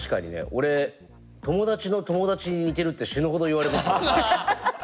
俺友達の友達に似てるって死ぬほど言われますもんね。